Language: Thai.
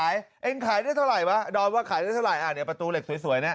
แอ้นขายได้เท่าไหร่อ่าเดี๋ยวพัตรูเหล็กสวยเนี่ย